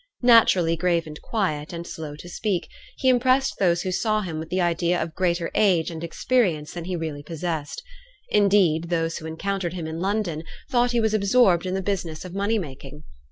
Naturally grave and quiet, and slow to speak, he impressed those who saw him with the idea of greater age and experience than he really possessed. Indeed, those who encountered him in London, thought he was absorbed in the business of money making.